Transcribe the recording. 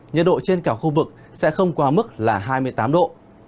nhiệt độ trên cả khu vực sẽ không quá mức là hai mươi tám độ